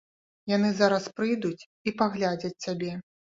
Яны зараз прыйдуць і паглядзяць цябе.